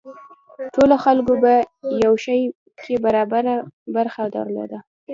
ټولو خلکو په یو شي کې برابره برخه درلوده.